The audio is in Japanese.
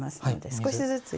少しずつ。